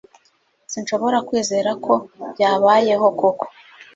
Sinshobora kwizera ko byabayeho koko